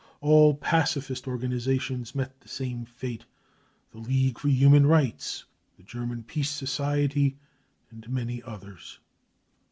All pacifist organisa tions met the same fate : the League for Human Rights, the German Peace Society, and many others.